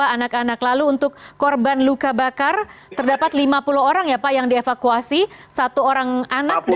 anak anak lalu untuk korban luka bakar terdapat lima puluh orang ya pak yang dievakuasi satu orang anaknya